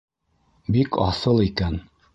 Бик аҫыл икән.